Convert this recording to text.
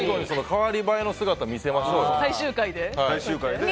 代わり映えの姿見せましょうよ。